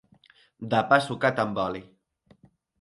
De pa sucat amb oli.